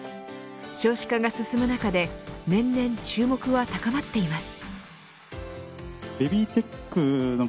少子化が進む中で年々注目が高まっています。